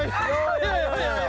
いやいやいやいや。